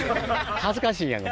恥ずかしいやんか